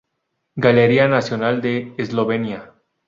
Galería Nacional de Eslovenia